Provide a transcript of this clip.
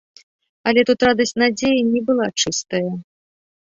Але тут радасць надзеі не была чыстая.